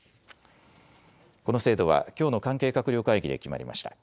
この制度はきょうの関係閣僚会議で決まりました。